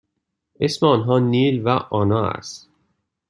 اسم آنها نیل و آنا است.